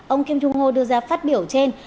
ông kim jong ho đưa ra phát biểu trên